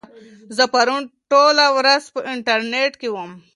زه پرون ټوله ورځ په انټرنيټ کې وم.